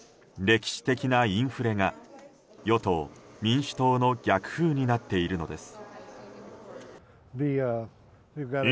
歴史的なインフレが与党・民主党の逆風になっているのです。